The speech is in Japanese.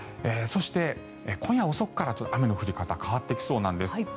そして、今夜遅くから雨の降り方変わってきそうなんです。